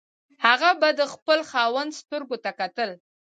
هغه به د خپل خاوند سترګو ته کتل.